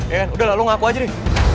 iya kan udah lah lo ngaku aja nih